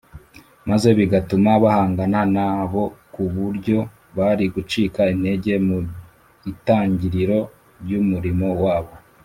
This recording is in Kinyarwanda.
maze bigatuma bahangana na bo ku buryo bari gucika intege mu itangiriro ry’umurimo wabo